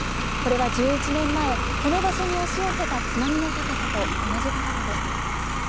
これは１１年前、この場所に押し寄せた津波の高さと同じ高さです。